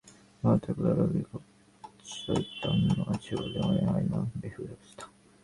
ভালো থাকিলেও রোগীর খুব চৈতন্য আছে বলিয়া মনে হয় না, বেহুঁশ অবস্থা।